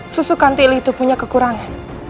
susu kantile itu punya kekurangan